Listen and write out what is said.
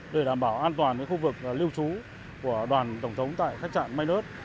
để đảm bảo an toàn khu vực lưu trú của đoàn tổng thống tại khách trạng main earth